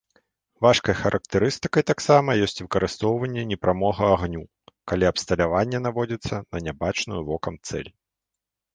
Важкай характарыстыкай таксама ёсць выкарыстоўванне непрамога агню, калі абсталяванне наводзіцца на нябачную вокам цэль.